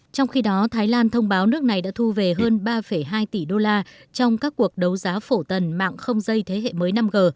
trong khi đó thái lan thông báo nước này đã thu về hơn ba hai tỷ đô la trong các cuộc đấu giá phổ tần mạng không dây thế hệ mới năm g